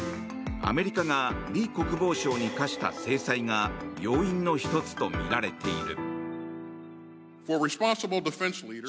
アメリカがリ国防相に科した制裁が要因の１つとみられている。